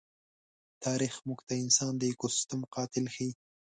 تاریخ موږ ته انسان د ایکوسېسټم قاتل ښيي.